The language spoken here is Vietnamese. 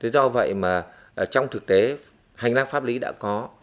do vậy mà trong thực tế hành lang pháp lý đạo